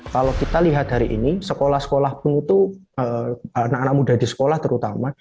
kalau kita lihat hari ini sekolah sekolah pun itu anak anak muda di sekolah terutama